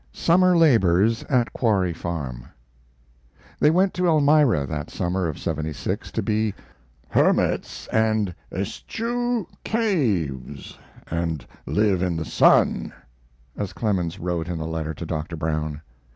SUMMER LABORS AT QUARRY FARM They went to Elmira, that summer of '76, to be "hermits and eschew caves and live in the sun," as Clemens wrote in a letter to Dr. Brown.